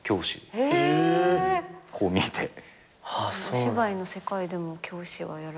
お芝居の世界でも教師はやられてた。